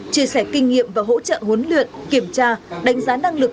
chia sẻ kinh nghiệm và hỗ trợ huấn luyện kiểm tra đánh giá năng lực